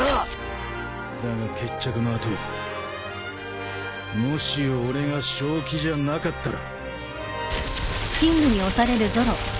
だが決着の後もし俺が正気じゃなかったら。